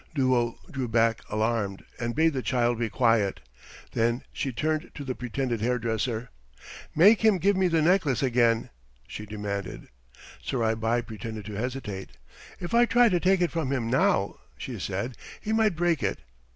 Duo drew back alarmed and bade the child be quiet. Then she turned to the pretended hairdresser. "Make him give me the necklace again," she demanded. Surai Bai pretended to hesitate. "If I try to take it from him now," she said, "he might break it.